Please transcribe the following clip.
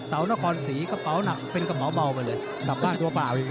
เสาร์นครศรีกระเป๋านักเป็นกระเหมาเบาไปเลย